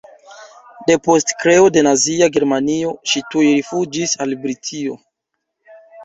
Depost kreo de nazia Germanio ŝi tuj rifuĝis al Britio.